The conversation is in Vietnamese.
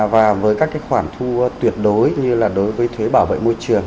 và với các khoản thu tuyệt đối như là đối với thuế bảo vệ môi trường